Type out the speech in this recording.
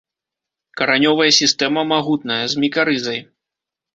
Каранёвая сістэма магутная, з мікарызай.